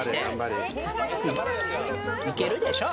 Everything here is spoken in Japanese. いけるでしょう。